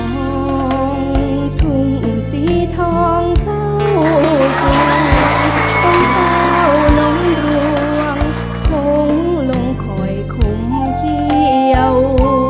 มองถุงสีทองเศร้าสุดต้องเฝ้านมร่วงทงลงคอยคงเกี่ยว